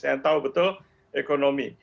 yang tahu betul ekonomi